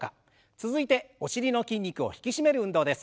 続いてお尻の筋肉を引き締める運動です。